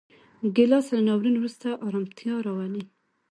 ګیلاس له ناورین وروسته ارامتیا راولي.